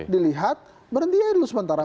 dilihat berhenti aja dulu sementara